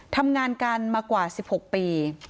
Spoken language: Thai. ทำงานกันมากว่า๑๖ปี